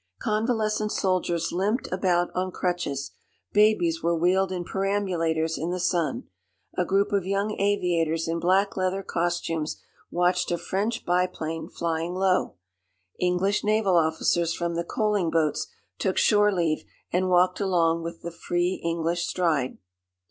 Convalescent soldiers limped about on crutches; babies were wheeled in perambulators in the sun; a group of young aviators in black leather costumes watched a French biplane flying low. English naval officers from the coaling boats took shore leave and walked along with the free English stride.